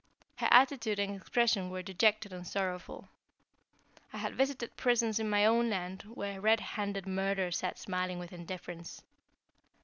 Her attitude and expression were dejected and sorrowful. I had visited prisons in my own land where red handed murder sat smiling with indifference.